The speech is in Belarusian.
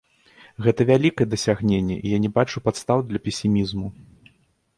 Гэта вялікае дасягненне, і я не бачу падстаў для песімізму.